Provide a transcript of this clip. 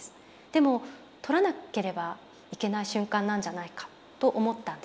でも撮らなければいけない瞬間なんじゃないかと思ったんです。